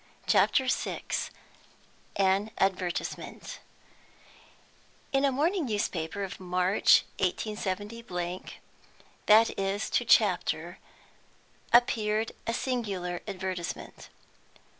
CHAPTER VI AN ADVERTISEMENT In a morning newspaper of March 187 , that is to chapter, appeared a singular advertisement.